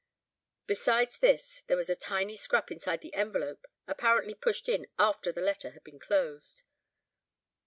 Besides this—there was a tiny scrap inside the envelope, apparently pushed in after the letter had been closed.